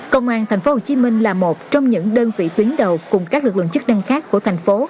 công an tp hcm là một trong những đơn vị tuyến đầu cùng các lực lượng chức năng khác của thành phố